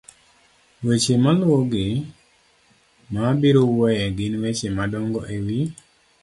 weche maluwogi ma abiro wuoye gin weche madongo e wi